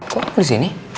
kok kamu di sini